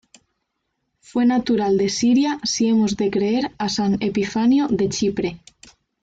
Fue natural de Siria si hemos de creer a san Epifanio de Chipre.